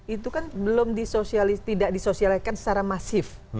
itu kan belum tidak disosialkan secara masif